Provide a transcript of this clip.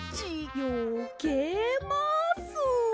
よけます！